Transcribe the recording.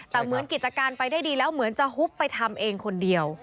แต่เหมือนกิจการไปได้ดีแล้วเหมือนจะฮุบไปทำเองคนเดียว